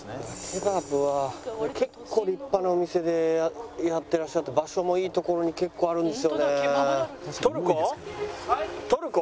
ケバブは結構立派なお店でやってらっしゃって場所もいい所に結構あるんですよね。